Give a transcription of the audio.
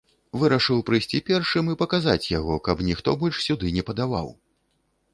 Вырашыў прыйсці першым і паказаць яго, каб ніхто больш сюды не падаваў!